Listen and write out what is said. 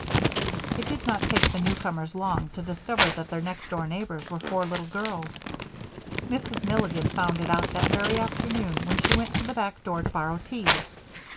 It did not take the newcomers long to discover that their next door neighbors were four little girls. Mrs. Milligan found it out that very afternoon when she went to the back door to borrow tea.